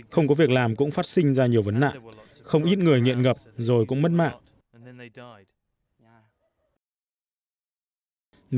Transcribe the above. không có việc làm cũng phát sinh ra nhiều vấn nạn không ít người nghiện ngập rồi cũng mất mạng